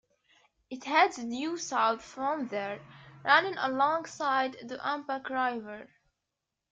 It heads due south from there, running alongside the Umpqua River.